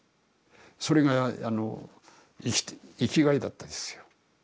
それが生きがいだったですよ。